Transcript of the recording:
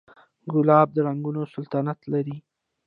ګلاب د رنګونو سلطنت لري.